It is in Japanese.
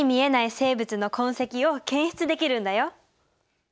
生物の痕跡を検出できるんだよ。